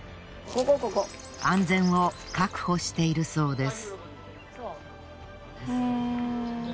安全を確保しているそうです。